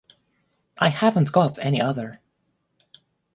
I haven't got any other.